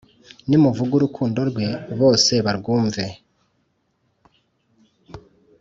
Nimuvug' urukundo rwe, bose barwumve,